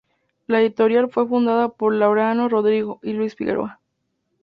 La editorial fue fundada por Laureano Rodrigo y Luis Figueroa.